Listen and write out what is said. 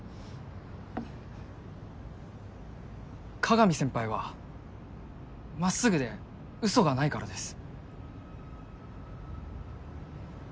鏡先輩はまっすぐでうそがないからです。